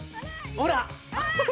ほら。